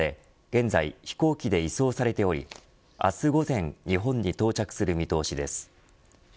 現在、飛行機で移送されており明日午前日本に到着する見通しです。